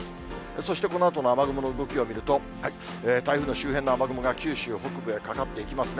そしてこのあとの雨雲の動きを見ると、台風の周辺の雨雲が九州北部へかかってきますね。